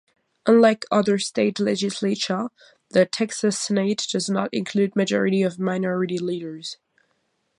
Unlike other state legislatures, the Texas Senate does not include majority or minority leaders.